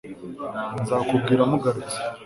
nzakubwira mugarutse